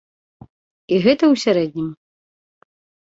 І гэта ў сярэднім.